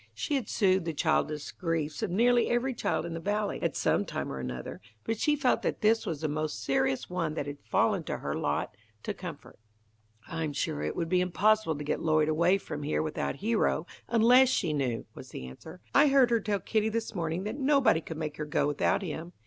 She had soothed the childish griefs of nearly every child in the Valley, at some time or another, but she felt that this was the most serious one that had fallen to her lot to comfort. "I'm sure it would be impossible to get Lloyd away from here without Hero, unless she knew," was the answer. "I heard her tell Kitty this morning that nobody could make her go without him.